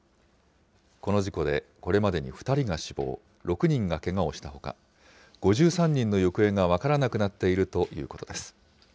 この事故でこれまでに２人が死亡、６人がけがをしたほか、５３人の行方が分からなくなっているということです。